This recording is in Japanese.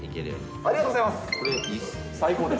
ありがとうございます。